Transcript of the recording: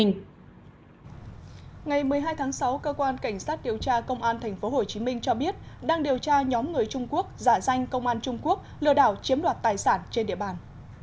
ngày một mươi hai tháng sáu cơ quan cảnh sát điều tra công an tp hcm cho biết đang điều tra nhóm người trung quốc giả danh công an trung quốc lừa đảo chiếm đoạt tài sản trên địa bàn